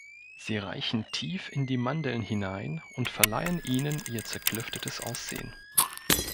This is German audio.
Sie reichen tief in die Mandeln hinein und verleihen ihnen ihr zerklüftetes Aussehen.